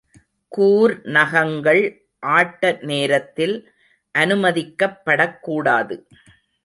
கூர் நகங்கள் ஆட்ட நேரத்தில் அனுமதிக்கப் படக் கூடாது.